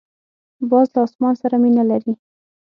باز له اسمان سره مینه لري